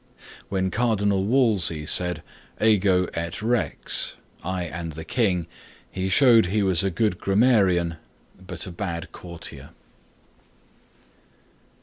When Cardinal Wolsey said Ego et Rex (I and the King), he showed he was a good grammarian, but a bad courtier.